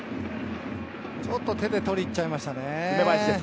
ちょっと手で捕りに行っちゃいましたね。